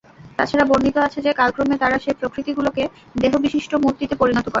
তাছাড়া বর্ণিত আছে যে, কালক্রমে তারা সে প্রতিকৃতিগুলোকে দেহবিশিষ্ট মূর্তিতে পরিণত করে।